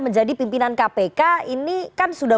menjadi pimpinan kpk ini kan sudah